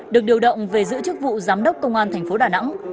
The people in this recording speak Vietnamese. được điều động về giữ chức vụ giám đốc công an thành phố đà nẵng